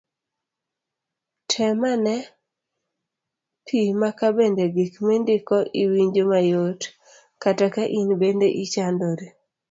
tem ane pima ka bende gik mindiko iwinjo mayot kata ka in bende ichandori